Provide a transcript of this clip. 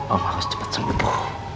om harus cepat sembuh